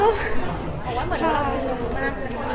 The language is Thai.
หรือว่าเหมือนมันจือมากเลย